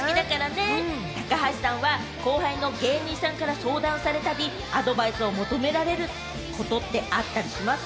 高橋さんは後輩の芸人さんから相談されたときアドバイスを求められることってあったりします？